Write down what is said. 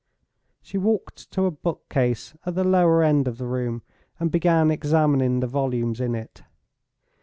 She walked to a book case at the lower end of the room, and began examining the volumes in it.